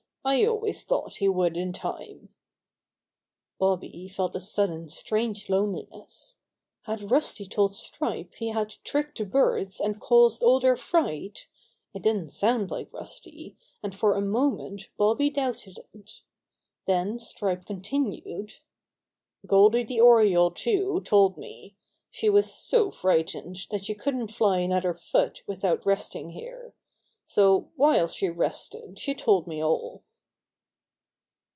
I always thought he would in time." Bobby felt a sudden, strange loneliness. Had Rusty told Stripe he had tricked the birds and caused all their fright? It didn't sound like Rusty, and for a moment Bobby doubted it Then Stripe continued : "Goldy the Oriole, too, told me. She was so frightened that she couldn't fly another foot without resting here. So while she rested she told me all."